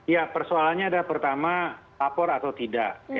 ya persoalannya adalah pertama lapor atau tidak